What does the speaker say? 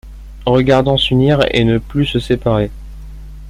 Regardant s’unir et ne plus se séparer.